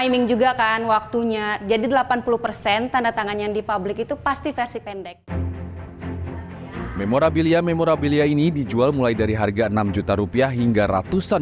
memorabilia memorabilia ini dijual mulai dari harga enam juta rupiah hingga ratusan